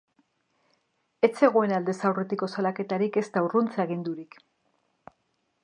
Ez zegoen aldez aurretiko salaketarik ezta urruntze agindurik.